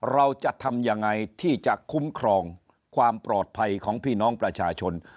เราจะทำยังไงที่จะคุ้มครองความปลอดภัยของพี่น้องประชาชน